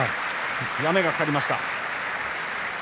やめがかかりました。